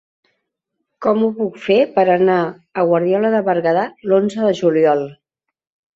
Com ho puc fer per anar a Guardiola de Berguedà l'onze de juliol?